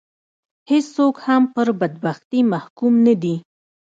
هېڅوک هم پر بدبختي محکوم نه دي